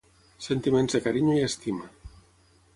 Sentiments de carinyo i estima.